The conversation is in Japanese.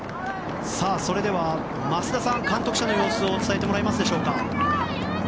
それでは、増田さん監督車の様子を伝えてもらえますでしょうか。